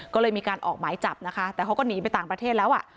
ก็เลยมีการออกหมายจับนะคะแต่เขาก็หนีไปต่างประเทศแล้วอ่ะ